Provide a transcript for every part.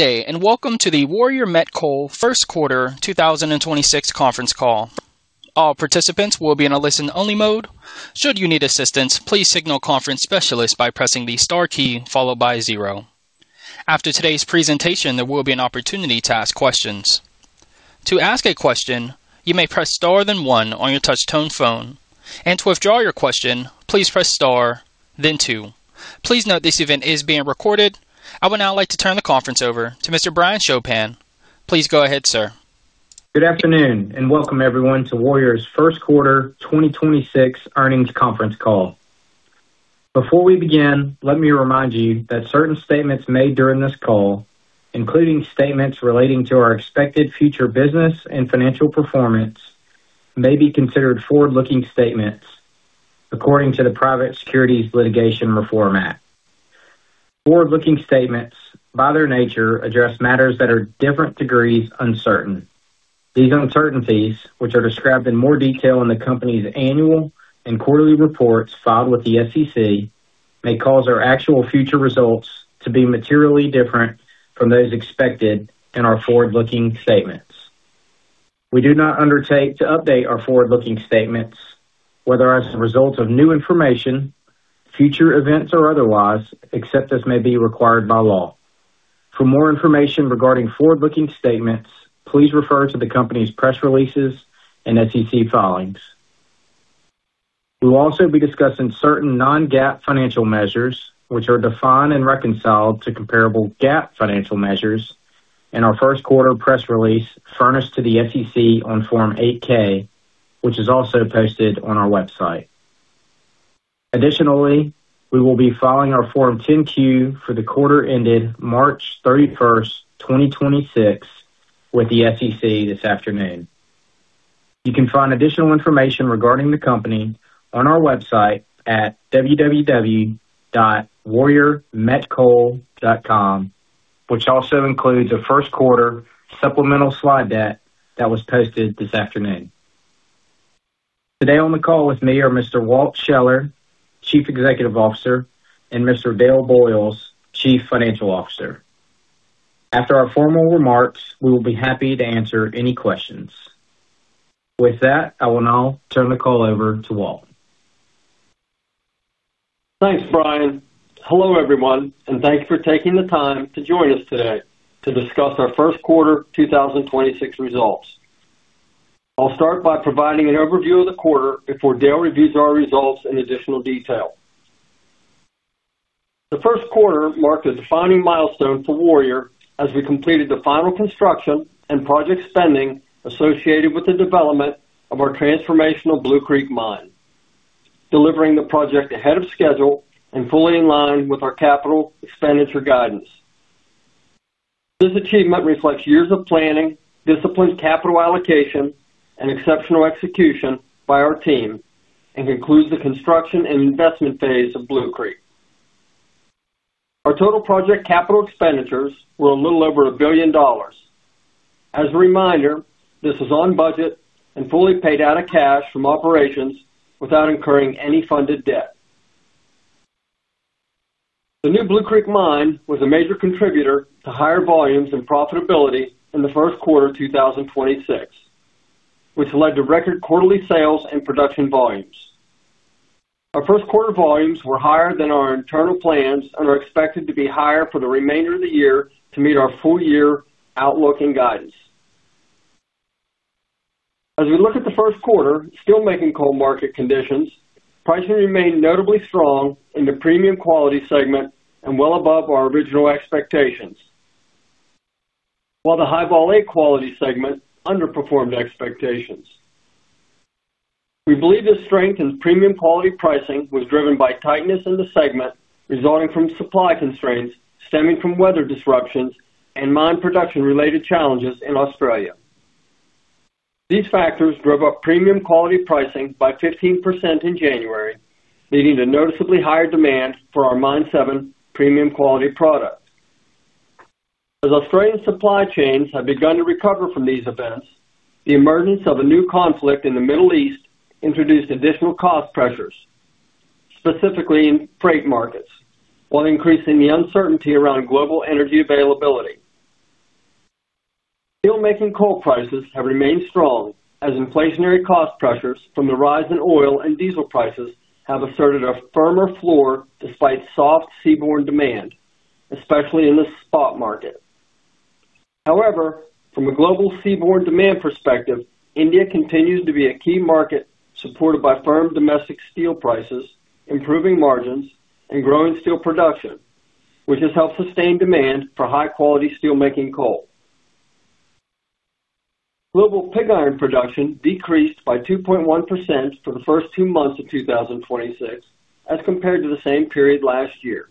Day, and welcome to the Warrior Met Coal Q1 2026 conference call. After today's presentation, there will be an opportunity to ask questions. I would now like to turn the conference over to Mr. Brian Chopin. Please go ahead, sir. Good afternoon, and welcome everyone to Warrior's Q1 2026 earnings conference call. Before we begin, let me remind you that certain statements made during this call, including statements relating to our expected future business and financial performance, may be considered forward-looking statements according to the Private Securities Litigation Reform Act. Forward-looking statements, by their nature, address matters that are different degrees uncertain. These uncertainties, which are described in more detail in the company's annual and quarterly reports filed with the SEC, may cause our actual future results to be materially different from those expected in our forward-looking statements. We do not undertake to update our forward-looking statements, whether as a result of new information, future events, or otherwise, except as may be required by law. For more information regarding forward-looking statements, please refer to the company's press releases and SEC filings. We'll also be discussing certain non-GAAP financial measures, which are defined and reconciled to comparable GAAP financial measures in our Q1 press release furnished to the SEC on Form 8-K, which is also posted on our website. Additionally, we will be filing our Form 10-Q for the quarter ended March 31, 2026 with the SEC this afternoon. You can find additional information regarding the company on our website at www.warriormetcoal.com, which also includes a Q1 supplemental slide deck that was posted this afternoon. Today on the call with me are Mr. Walt Scheller, Chief Executive Officer, and Mr. Dale Boyles, Chief Financial Officer. After our formal remarks, we will be happy to answer any questions. With that, I will now turn the call over to Walt. Thanks, Brian. Hello, everyone, and thanks for taking the time to join us today to discuss our Q1 2026 results. I'll start by providing an overview of the quarter before Dale reviews our results in additional detail. The Q1 marked a defining milestone for Warrior Met Coal as we completed the final construction and project spending associated with the development of our transformational Blue Creek mine, delivering the project ahead of schedule and fully in line with our capital expenditure guidance. This achievement reflects years of planning, disciplined capital allocation, and exceptional execution by our team and concludes the construction and investment phase of Blue Creek. Our total project capital expenditures were a little over $1 billion. As a reminder, this is on budget and fully paid out of cash from operations without incurring any funded debt. The new Blue Creek mine was a major contributor to higher volumes and profitability in the Q1 2026, which led to record quarterly sales and production volumes. Our Q1 volumes were higher than our internal plans and are expected to be higher for the remainder of the year to meet our full-year outlook and guidance. As we look at the Q1, steelmaking coal market conditions, pricing remained notably strong in the premium quality segment and well above our original expectations, while the High-Vol A quality segment underperformed expectations. We believe the strength in premium quality pricing was driven by tightness in the segment resulting from supply constraints stemming from weather disruptions and mine production-related challenges in Australia. These factors drove up premium quality pricing by 15% in January, leading to noticeably higher demand for our Mine 7 premium quality product. As Australian supply chains have begun to recover from these events, the emergence of a new conflict in the Middle East introduced additional cost pressures, specifically in freight markets, while increasing the uncertainty around global energy availability. Steelmaking coal prices have remained strong as inflationary cost pressures from the rise in oil and diesel prices have asserted a firmer floor despite soft seaborne demand, especially in the spot market. However, from a global seaborne demand perspective, India continues to be a key market supported by firm domestic steel prices, improving margins, and growing steel production, which has helped sustain demand for high-quality steelmaking coal. Global pig iron production decreased by 2.1% for the first 2 months of 2026 as compared to the same period last year.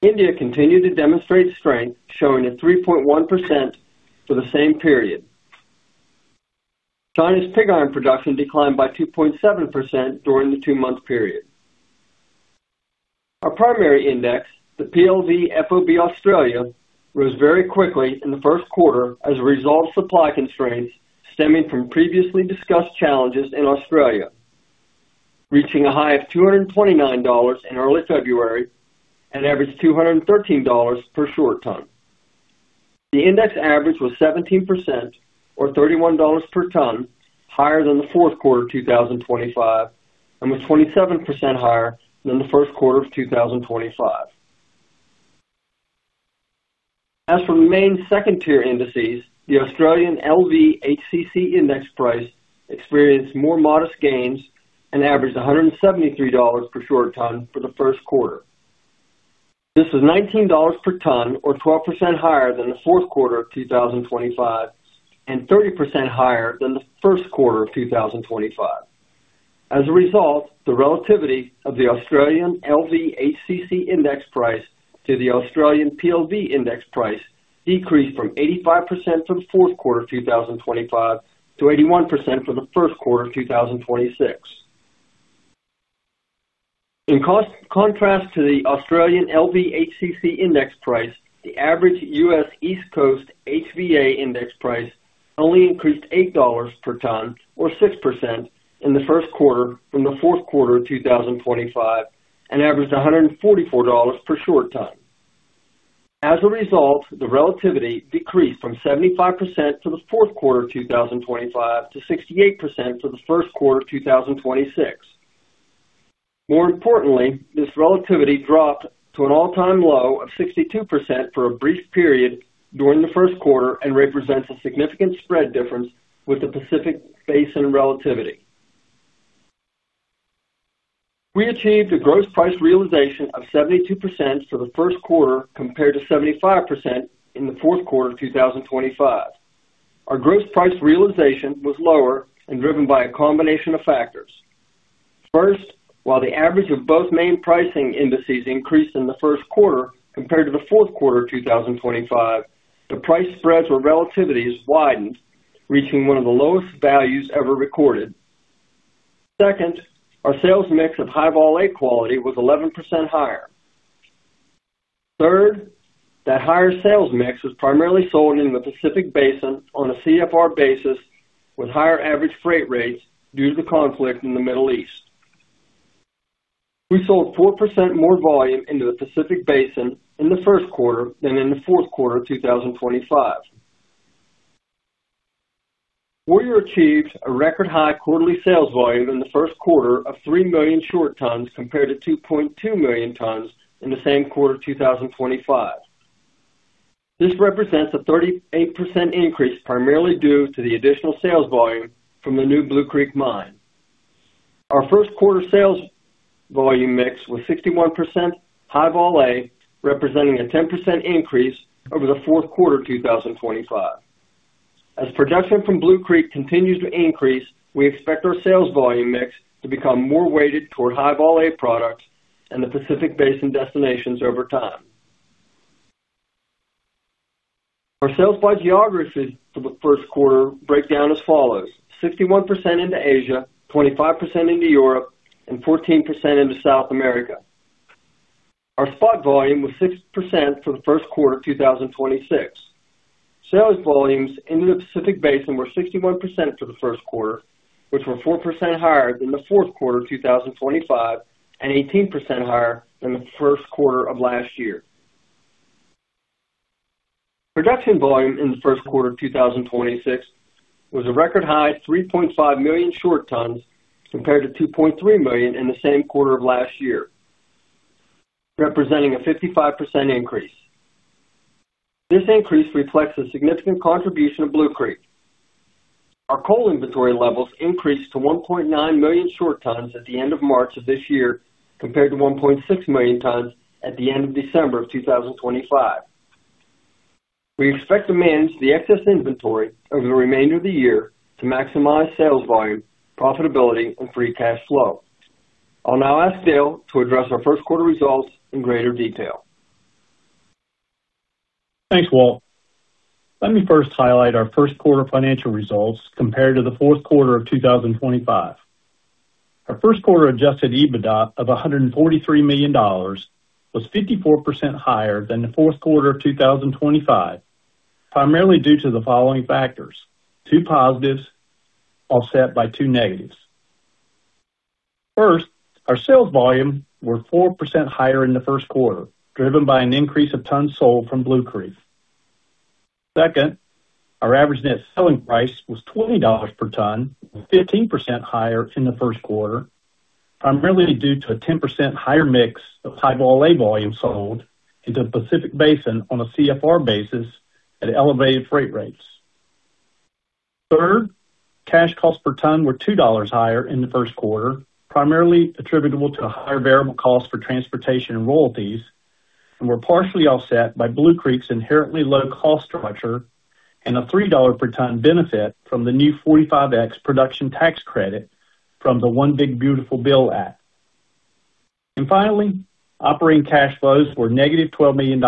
India continued to demonstrate strength, showing a 3.1% for the same period. China's pig iron production declined by 2.7% during the 2-month period. Our primary index, the PLV FOB Australia, rose very quickly in the Q1 as a result of supply constraints stemming from previously discussed challenges in Australia, reaching a high of $229 in early February and averaged $213 per short ton. The index average was 17% or $31 per ton higher than the Q4 2025, and was 27% higher than the Q1 of 2025. As for the main second tier indices, the Australian LVHCC index price experienced more modest gains and averaged $173 per short ton for the Q1. This is $19 per ton or 12% higher than the Q4 of 2025, and 30% higher than the Q1 of 2025. As a result, the relativity of the Australian LVHCC index price to the Australian PLV index price decreased from 85% for the Q4 2025 to 81% for the Q1 of 2026. In contrast to the Australian LVHCC index price, the average U.S. East Coast HVA index price only increased $8 per ton, or 6% in the Q1 from the Q4 of 2025, and averaged $144 per short ton. As a result, the relativity decreased from 75% for the Q4 of 2025 to 68% for the Q1 of 2026. More importantly, this relativity dropped to an all-time low of 62% for a brief period during the Q1 and represents a significant spread difference with the Pacific Basin relativity. We achieved a gross price realization of 72% for the Q1 compared to 75% in the Q4 of 2025. Our gross price realization was lower and driven by a combination of factors. First, while the average of both main pricing indices increased in the Q1 compared to the Q4 of 2025, the price spreads or relativities widened, reaching one of the lowest values ever recorded. Second, our sales mix of High-Vol A quality was 11% higher. Third, that higher sales mix was primarily sold in the Pacific Basin on a CFR basis, with higher average freight rates due to the conflict in the Middle East. We sold 4% more volume into the Pacific Basin in the Q1 than in the Q4 of 2025. Warrior achieved a record high quarterly sales volume in the Q1 of 3 million short tons compared to 2.2 million tons in the same quarter of 2025. This represents a 38% increase, primarily due to the additional sales volume from the new Blue Creek mine. Our Q1 sales volume mix was 61% High-Vol A, representing a 10% increase over the Q4 2025. As production from Blue Creek continues to increase, we expect our sales volume mix to become more weighted toward High-Vol A products in the Pacific Basin destinations over time. Our sales by geographies for the Q1 break down as follows: 61% into Asia, 25% into Europe, and 14% into South America. Our spot volume was 6% for the Q1 of 2026. Sales volumes in the Pacific Basin were 61% for the Q1, which were 4% higher than the 4th quarter of 2025 and 18% higher than the Q1 of last year. Production volume in the Q1 of 2026 was a record high 3.5 million short tons compared to 2.3 million in the same quarter of last year, representing a 55% increase. This increase reflects the significant contribution of Blue Creek. Our coal inventory levels increased to 1.9 million short tons at the end of March of this year, compared to 1.6 million tons at the end of December of 2025. We expect to manage the excess inventory over the remainder of the year to maximize sales volume, profitability, and free cash flow. I'll now ask Dale to address our Q1 results in greater detail. Thanks, Walt. Let me first highlight our Q1 financial results compared to the Q4 of 2025. Our Q1 adjusted EBITDA of $143 million was 54% higher than the Q4 of 2025, primarily due to the following factors: two positives offset by two negatives. Our sales volume were 4% higher in the Q1, driven by an increase of tons sold from Blue Creek. Our average net selling price was $20 per ton, 15% higher in the Q1, primarily due to a 10% higher mix of High-Vol A volume sold into the Pacific Basin on a CFR basis at elevated freight rates. Third, cash costs per ton were $2 higher in the Q1, primarily attributable to higher variable costs for transportation and royalties, and were partially offset by Blue Creek's inherently low cost structure and a $3 per ton benefit from the new 45X production tax credit from the One Big Beautiful Bill Act. Finally, operating cash flows were -$12 million,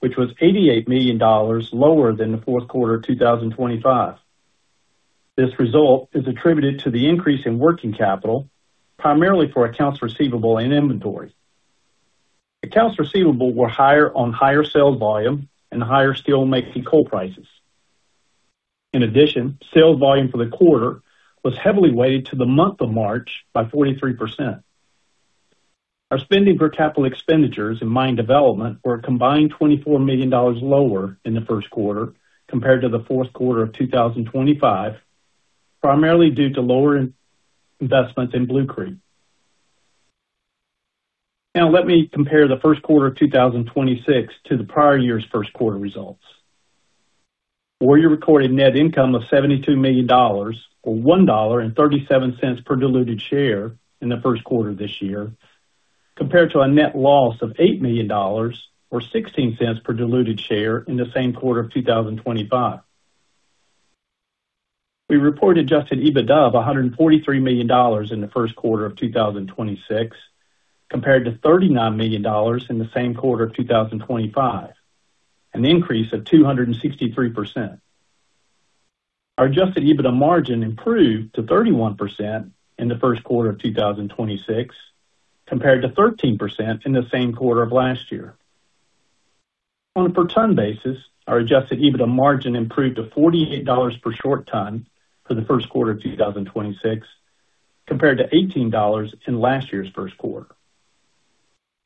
which was $88 million lower than the Q4 of 2025. This result is attributed to the increase in working capital, primarily for accounts receivable and inventory. Accounts receivable were higher on higher sales volume and higher steelmaking coal prices. In addition, sales volume for the quarter was heavily weighted to the month of March by 43%. Our spending for capital expenditures in mine development were a combined $24 million lower in the Q1 compared to the Q4 of 2025, primarily due to lower investments in Blue Creek. Now let me compare the Q1 of 2026 to the prior year's Q1 results, where you recorded net income of $72 million or $1.37 per diluted share in the Q1 of this year, compared to a net loss of $8 million or $0.16 per diluted share in the same quarter of 2025. We reported adjusted EBITDA of $143 million in the Q1 of 2026, compared to $39 million in the same quarter of 2025, an increase of 263%. Our adjusted EBITDA margin improved to 31% in the Q1 of 2026, compared to 13% in the same quarter of last year. On a per ton basis, our adjusted EBITDA margin improved to $48 per short ton for the Q1 of 2026, compared to $18 in last year's Q1.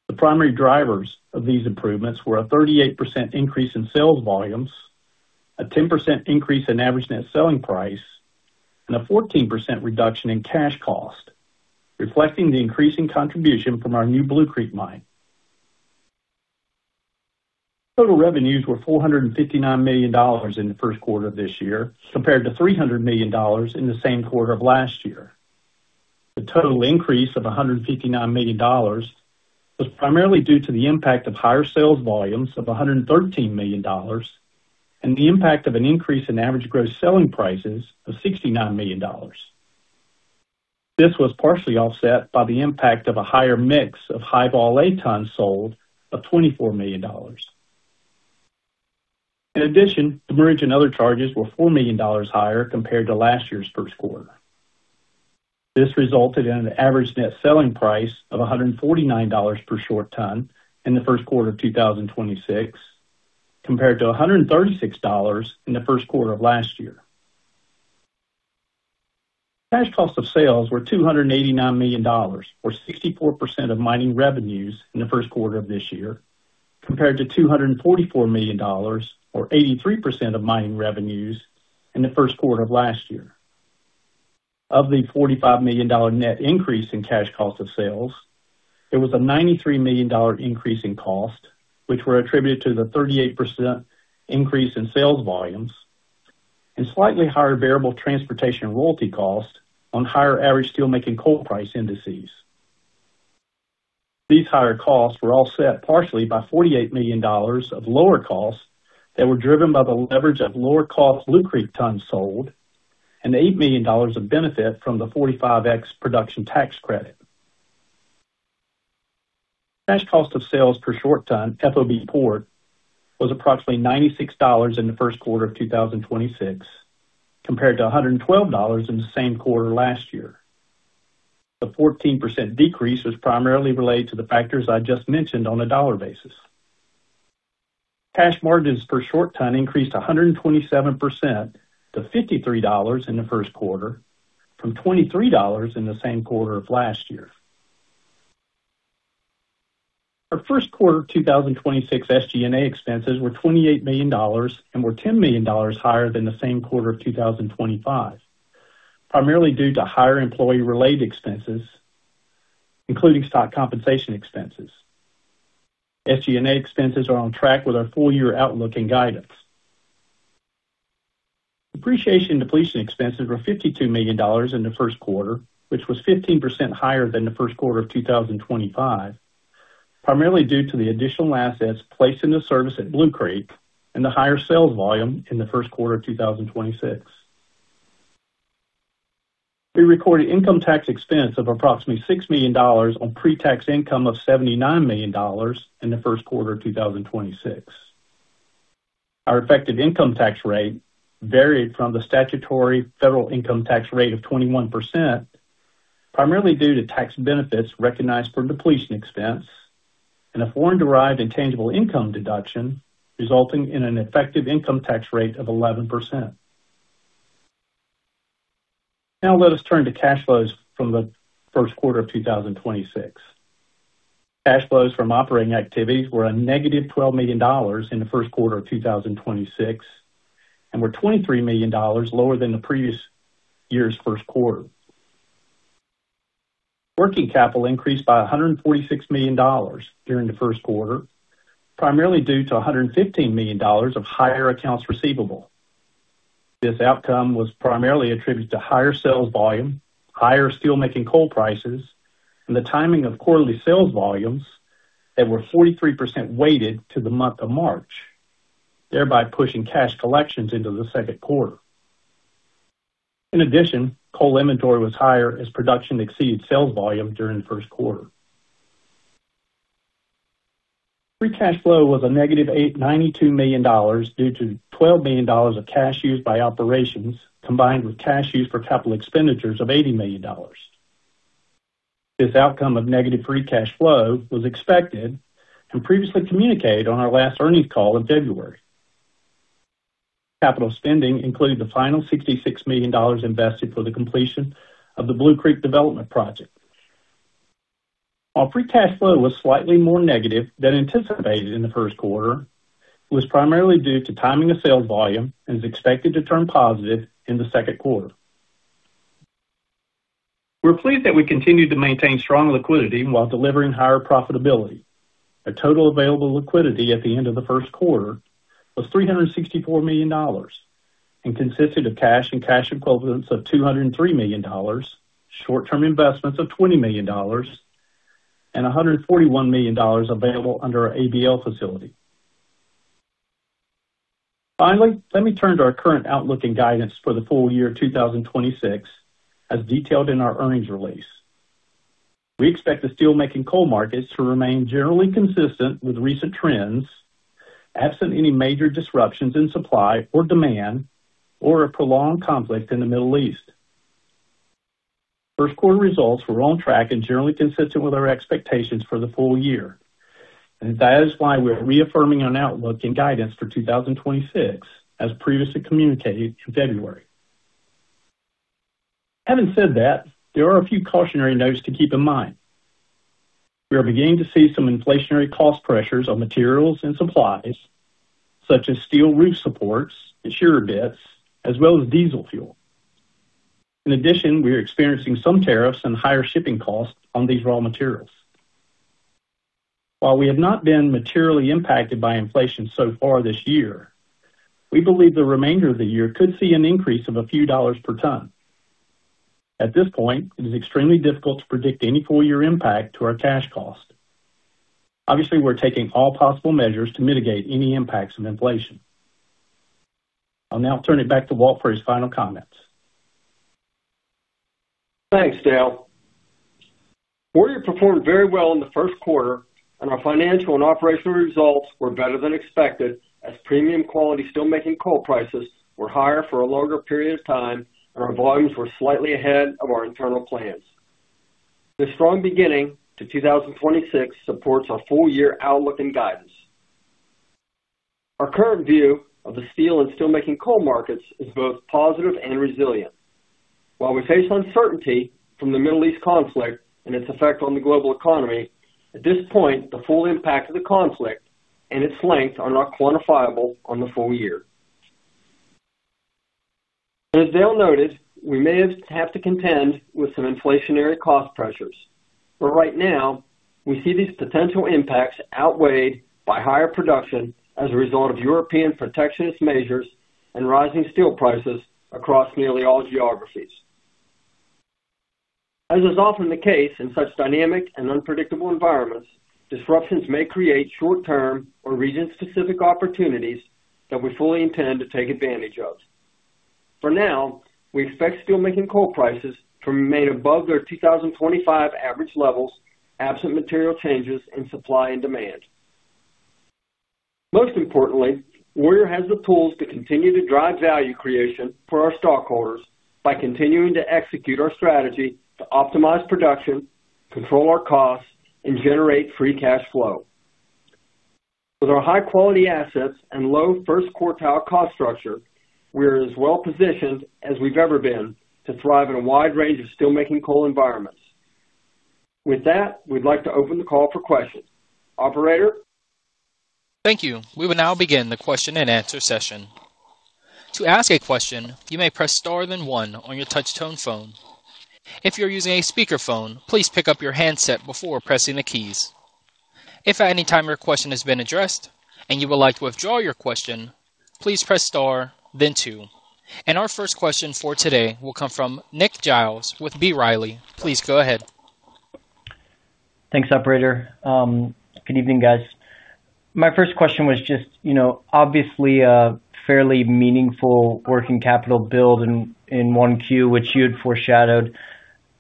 The primary drivers of these improvements were a 38% increase in sales volumes, a 10% increase in average net selling price, and a 14% reduction in cash cost, reflecting the increasing contribution from our new Blue Creek Mine. Total revenues were $459 million in the Q1 of this year, compared to $300 million in the same quarter of last year. The total increase of $159 million was primarily due to the impact of higher sales volumes of $113 million and the impact of an increase in average gross selling prices of $69 million. This was partially offset by the impact of a higher mix of High-Vol A ton sold of $24 million. In addition, the merge and other charges were $4 million higher compared to last year's Q1. This resulted in an average net selling price of $149 per short ton in the Q1 of 2026, compared to $136 in the Q1 of last year. Cash cost of sales were $289 million, or 64% of mining revenues in the Q1 of this year, compared to $244 million or 83% of mining revenues in the Q1 of last year. Of the $45 million net increase in cash cost of sales, there was a $93 million increase in cost, which were attributed to the 38% increase in sales volumes and slightly higher variable transportation royalty costs on higher average steelmaking coal price indices. These higher costs were offset partially by $48 million of lower costs that were driven by the leverage of lower cost Blue Creek tons sold and $8 million of benefit from the 45X production tax credit. Cash cost of sales per short ton FOB port was approximately $96 in the Q1 of 2026, compared to $112 in the same quarter last year. The 14% decrease was primarily related to the factors I just mentioned on a dollar basis. Cash margins per short ton increased 127% to $53 in the Q1, from $23 in the same quarter of last year. Our Q1 of 2026 SG&A expenses were $28 million and were $10 million higher than the same quarter of 2025, primarily due to higher employee-related expenses, including stock compensation expenses. SG&A expenses are on track with our full-year outlook and guidance. Depreciation and depletion expenses were $52 million in the Q1, which was 15% higher than the Q1 of 2025, primarily due to the additional assets placed into service at Blue Creek and the higher sales volume in the Q1 of 2026. We recorded income tax expense of approximately $6 million on pre-tax income of $79 million in the Q1 of 2026. Our effective income tax rate varied from the statutory federal income tax rate of 21%, primarily due to tax benefits recognized from depletion expense and a foreign-derived intangible income deduction, resulting in an effective income tax rate of 11%. Now let us turn to cash flows from the Q1 of 2026. Cash flows from operating activities were a negative $12 million in the Q1 of 2026, and were $23 million lower than the previous year's Q1. Working capital increased by $146 million during the Q1, primarily due to $115 million of higher accounts receivable. This outcome was primarily attributed to higher sales volume, higher steelmaking coal prices, and the timing of quarterly sales volumes that were 43% weighted to the month of March, thereby pushing cash collections into the Q2. In addition, coal inventory was higher as production exceeded sales volume during the Q1. Free cash flow was a negative $92 million due to $12 million of cash used by operations, combined with cash used for capital expenditures of $80 million. This outcome of negative free cash flow was expected and previously communicated on our last earnings call in February. Capital spending included the final $66 million invested for the completion of the Blue Creek development project. Our free cash flow was slightly more negative than anticipated in the Q1. It was primarily due to timing of sales volume and is expected to turn positive in the Q2. We're pleased that we continue to maintain strong liquidity while delivering higher profitability. Our total available liquidity at the end of the Q1 was $364 million and consisted of cash and cash equivalents of $203 million, short-term investments of $20 million, and $141 million available under our ABL facility. Finally, let me turn to our current outlook and guidance for the full year 2026 as detailed in our earnings release. We expect the steelmaking coal markets to remain generally consistent with recent trends, absent any major disruptions in supply or demand or a prolonged conflict in the Middle East. Q1 results were on track and generally consistent with our expectations for the full year, and that is why we are reaffirming our outlook and guidance for 2026 as previously communicated in February. Having said that, there are a few cautionary notes to keep in mind. We are beginning to see some inflationary cost pressures on materials and supplies such as steel roof supports and shear bits, as well as diesel fuel. In addition, we are experiencing some tariffs and higher shipping costs on these raw materials. While we have not been materially impacted by inflation so far this year, we believe the remainder of the year could see an increase of a few dollars per ton. At this point, it is extremely difficult to predict any full-year impact to our cash cost. Obviously, we're taking all possible measures to mitigate any impacts of inflation. I'll now turn it back to Walt for his final comments. Thanks, Dale. Warrior performed very well in the Q1, and our financial and operational results were better than expected as premium quality steelmaking coal prices were higher for a longer period of time, and our volumes were slightly ahead of our internal plans. This strong beginning to 2026 supports our full-year outlook and guidance. Our current view of the steel and steelmaking coal markets is both positive and resilient. While we face uncertainty from the Middle East conflict and its effect on the global economy, at this point, the full impact of the conflict and its length are not quantifiable on the full year. As Dale noted, we may have to contend with some inflationary cost pressures, but right now, we see these potential impacts outweighed by higher production as a result of European protectionist measures and rising steel prices across nearly all geographies. As is often the case in such dynamic and unpredictable environments, disruptions may create short-term or region-specific opportunities that we fully intend to take advantage of. For now, we expect steelmaking coal prices to remain above their 2025 average levels, absent material changes in supply and demand. Most importantly, Warrior has the tools to continue to drive value creation for our stockholders by continuing to execute our strategy to optimize production, control our costs, and generate free cash flow. With our high-quality assets and low first quartile cost structure, we are as well-positioned as we've ever been to thrive in a wide range of steelmaking coal environments. With that, we'd like to open the call for questions. Operator? Thank you. We will now begin the question-and-answer session. Our first question for today will come from Nick Giles with B. Riley. Please go ahead. Thanks, operator. Good evening, guys. My first question was just, you know, obviously a fairly meaningful working capital build in 1Q, which you had foreshadowed.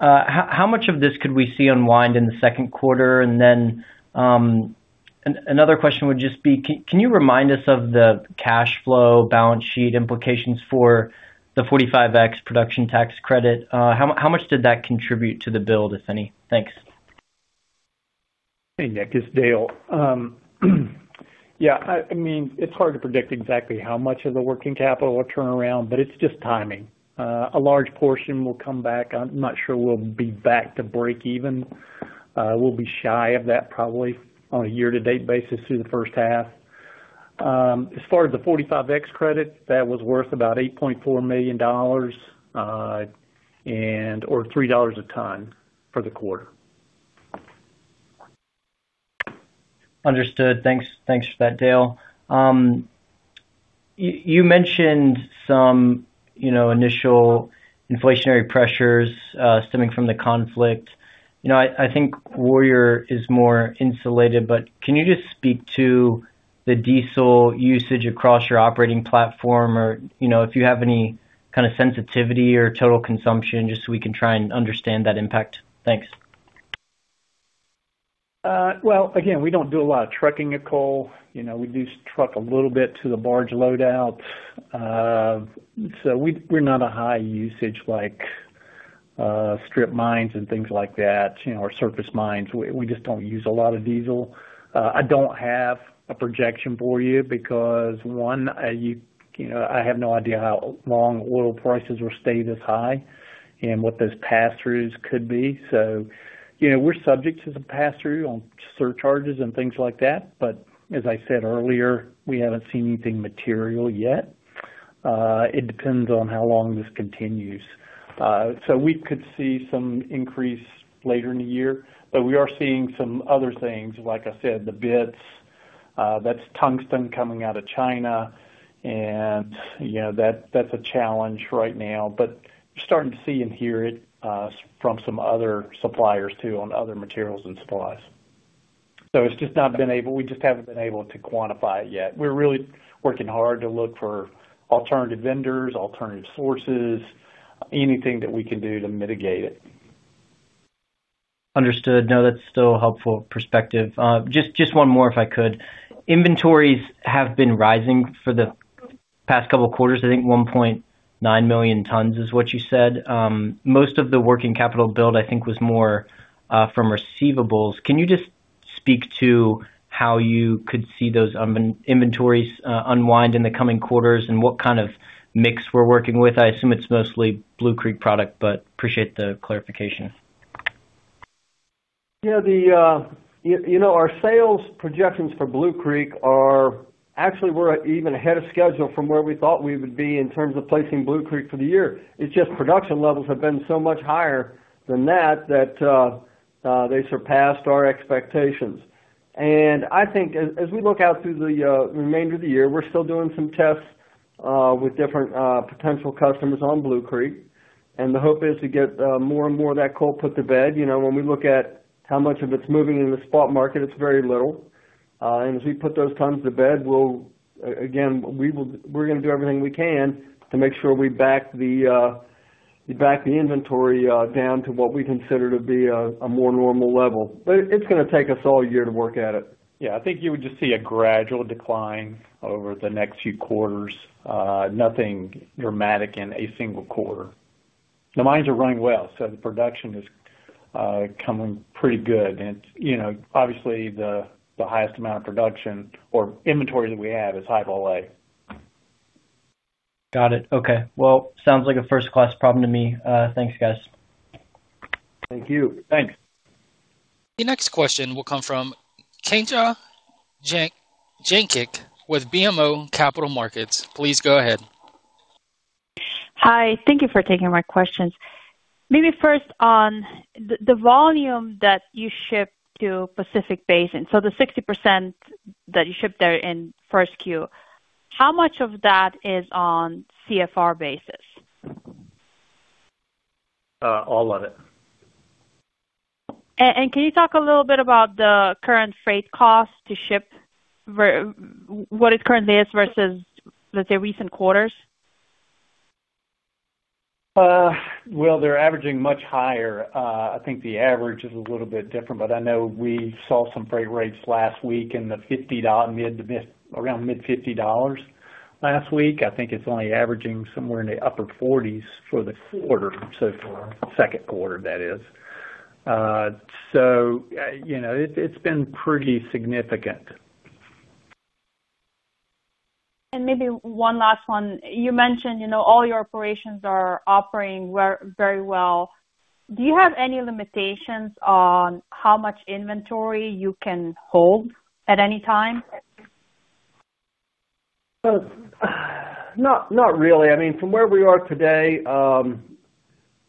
How much of this could we see unwind in the 2Q? Then another question would just be can you remind us of the cash flow balance sheet implications for the 45X production tax credit? How much did that contribute to the build, if any? Thanks. Hey, Nick. It's Dale. I mean, it's hard to predict exactly how much of the working capital will turn around, but it's just timing. A large portion will come back. I'm not sure we'll be back to breakeven. We'll be shy of that probably on a year-to-date basis through the first half. As far as the 45X credit, that was worth about $8.4 million or $3 a ton for the quarter. Understood. Thanks, thanks for that, Dale. You mentioned some, you know, initial inflationary pressures stemming from the conflict. You know, I think Warrior is more insulated, but can you just speak to the diesel usage across your operating platform? Or, you know, if you have any kind of sensitivity or total consumption, just so we can try and understand that impact. Thanks. Well, again, we don't do a lot of trucking of coal. You know, we do truck a little bit to the barge load out. We're not a high usage like strip mines and things like that, you know, or surface mines. We just don't use a lot of diesel. I don't have a projection for you because, one, you know, I have no idea how long oil prices will stay this high and what those passthroughs could be. You know, we're subject to some passthrough on surcharges and things like that. As I said earlier, we haven't seen anything material yet. It depends on how long this continues. We could see some increase later in the year. We are seeing some other things, like I said, the bits, that's tungsten coming out of China. You know, that's a challenge right now. We're starting to see and hear it from some other suppliers too, on other materials and supplies. We just haven't been able to quantify it yet. We're really working hard to look for alternative vendors, alternative sources, anything that we can do to mitigate it. Understood. No, that's still a helpful perspective. Just one more, if I could. Inventories have been rising for the past couple quarters. I think 1.9 million tons is what you said. Most of the working capital build, I think, was more from receivables. Can you just speak to how you could see those inventories unwind in the coming quarters, and what kind of mix we're working with? I assume it's mostly Blue Creek product. Appreciate the clarification. Yeah, you know, our sales projections for Blue Creek are actually we're even ahead of schedule from where we thought we would be in terms of placing Blue Creek for the year. It's just production levels have been so much higher than that they surpassed our expectations. I think as we look out through the remainder of the year, we're still doing some tests with different potential customers on Blue Creek. The hope is to get more and more of that coal put to bed. You know, when we look at how much of it's moving in the spot market, it's very little. As we put those tons to bed, we'll again, we're gonna do everything we can to make sure we back the inventory down to what we consider to be a more normal level. It's gonna take us all year to work at it. Yeah, I think you would just see a gradual decline over the next few quarters. Nothing dramatic in a single quarter. The mines are running well, so the production is coming pretty good. You know, obviously the highest amount of production or inventory that we have is High-Vol A. Got it. Okay. Well, sounds like a first-class problem to me. Thanks, guys. Thank you. Thanks. The next question will come from Katja Jancic with BMO Capital Markets. Please go ahead. Hi. Thank you for taking my questions. First on the volume that you ship to Pacific Basin, the 60% that you shipped there in 1Q, how much of that is on CFR basis? All of it. Can you talk a little bit about the current freight costs to ship what it currently is versus, let's say, recent quarters? They're averaging much higher. I think the average is a little bit different, but I know we saw some freight rates last week in around mid $50 last week. I think it's only averaging somewhere in the upper $40s for the quarter, so for Q2, that is. It's been pretty significant. Maybe one last one. You mentioned, you know, all your operations are operating very, very well. Do you have any limitations on how much inventory you can hold at any time? Well, not really. I mean, from where we are today,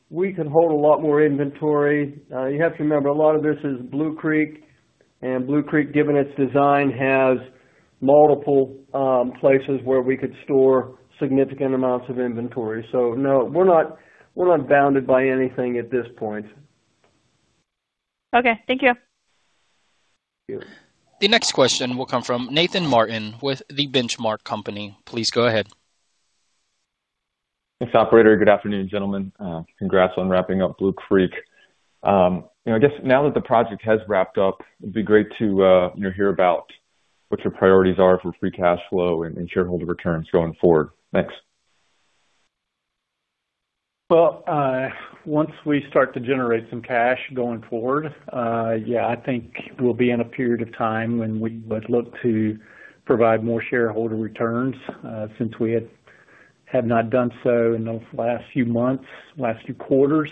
we can hold a lot more inventory. You have to remember, a lot of this is Blue Creek. Blue Creek, given its design, has multiple places where we could store significant amounts of inventory. No, we're not bounded by anything at this point. Okay. Thank you. Yeah. The next question will come from Nathan Martin with The Benchmark Company. Please go ahead. Thanks, operator. Good afternoon, gentlemen. Congrats on wrapping up Blue Creek. You know, I guess now that the project has wrapped up, it'd be great to, you know, hear about what your priorities are for free cash flow and shareholder returns going forward. Thanks. Well, once we start to generate some cash going forward, yeah, I think we'll be in a period of time when we would look to provide more shareholder returns, since we have not done so in the last few months, last few quarters.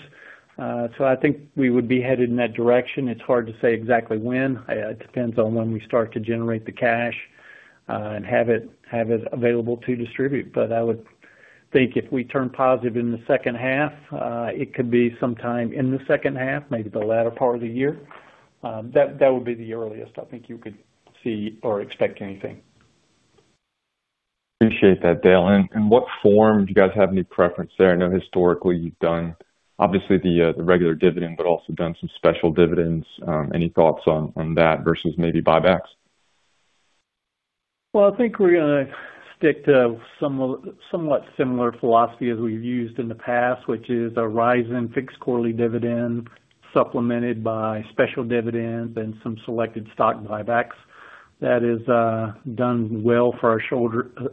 I think we would be headed in that direction. It's hard to say exactly when. It depends on when we start to generate the cash, and have it available to distribute. I would think if we turn positive in the second half, it could be sometime in the second half, maybe the latter part of the year. That would be the earliest I think you could see or expect anything. Appreciate that, Dale. What form? Do you guys have any preference there? I know historically you've done obviously the regular dividend, but also done some special dividends. Any thoughts on that versus maybe buybacks? I think we're gonna stick to some, somewhat similar philosophy as we've used in the past, which is a rising fixed quarterly dividend supplemented by special dividends and some selected stock buybacks. That has done well for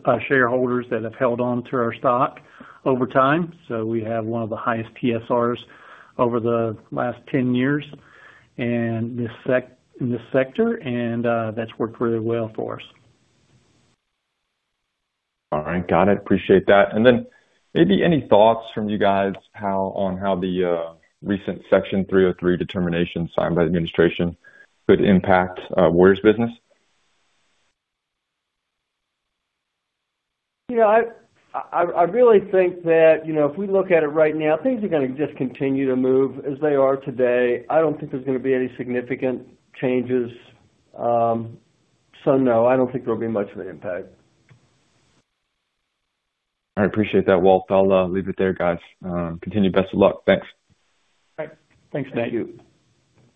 our shareholders that have held on to our stock over time. We have one of the highest TSRs over the last ten years in this sector, and that's worked really well for us. All right. Got it. Appreciate that. Maybe any thoughts from you guys how the recent Section 303 determination signed by the administration could impact Warrior's business? You know, I really think that, you know, if we look at it right now, things are gonna just continue to move as they are today. I don't think there's gonna be any significant changes. No, I don't think there'll be much of an impact. I appreciate that, Walt. I'll leave it there, guys. Continue. Best of luck. Thanks. All right. Thanks, Nathan. Thank you.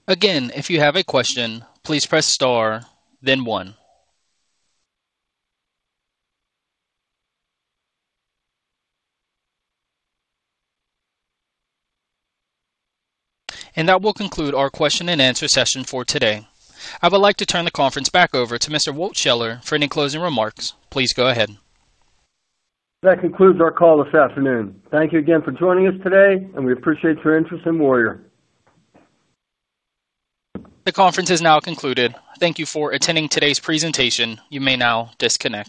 Again, if you have a question, please press star then one. That will conclude our question and answer session for today. I would like to turn the conference back over to Mr. Walt Scheller for any closing remarks. Please go ahead. That concludes our call this afternoon. Thank you again for joining us today, and we appreciate your interest in Warrior. The conference is now concluded. Thank you for attending today's presentation. You may now disconnect.